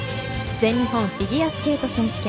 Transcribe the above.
全日本フィギュアスケート選手権。